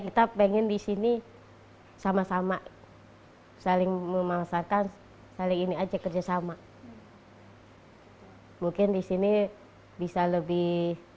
tetap pengen di sini sama sama saling memasarkan kali ini aja kerjasama mungkin di sini bisa lebih